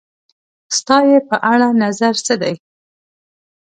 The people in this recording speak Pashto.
ستا یی په اړه نظر څه دی؟